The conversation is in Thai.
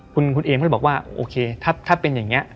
คุณเอมก็เลยบอกว่าโอเคถ้าเป็นอย่างนี้